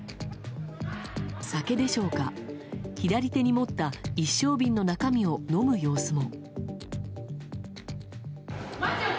酒でしょうか、左手に持った一升瓶の中身を飲む様子も。